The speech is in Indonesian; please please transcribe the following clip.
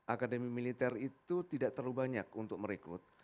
akademi militer itu tidak terlalu banyak untuk merekrut